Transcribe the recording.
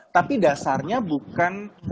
tapi dasarnya bukan